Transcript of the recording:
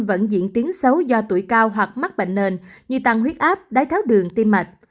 vẫn diễn tiến xấu do tuổi cao hoặc mắc bệnh nền như tăng huyết áp đái tháo đường tim mạch